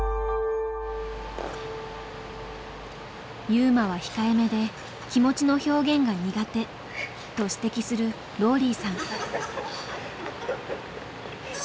「優真は控えめで気持ちの表現が苦手」と指摘するローリーさん。